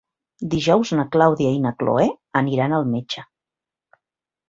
Dijous na Clàudia i na Cloè aniran al metge.